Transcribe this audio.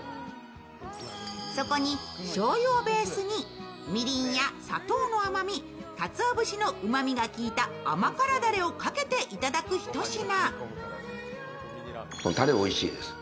そこにしょうゆをベースにみりんや砂糖の甘みかつお節のうまみがきいた甘辛ダレをかけていただく一品。